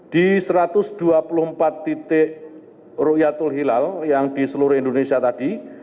di satu ratus dua puluh empat titik rukyatul hilal yang di seluruh indonesia tadi